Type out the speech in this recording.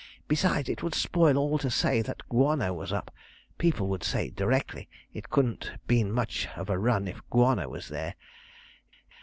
Besides, it would spoil all to say that Guano was up people would say directly it couldn't have been much of a run if Guano was there.